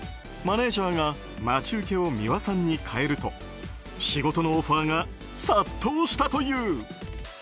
マネジャーが待ち受けを美輪さんに変えると仕事のオファーが殺到したという。